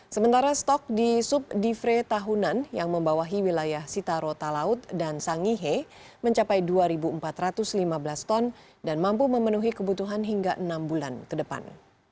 sementara stok di subdivre tahunan yang membawahi wilayah sitarota laut dan sangihe mencapai dua empat ratus lima belas ton dan mampu memenuhi kebutuhan hingga enam bulan ke depan